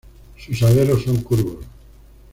Sus aleros son curvos.